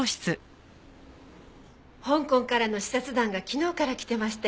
香港からの視察団が昨日から来てまして。